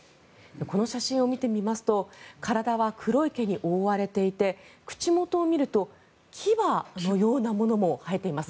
この写真を見てみますと体は黒い毛に覆われていて口元を見ると牙のようなものも生えています。